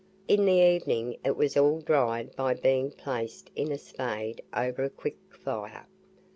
In the evening it was all dried by being placed in a spade over a quick fire.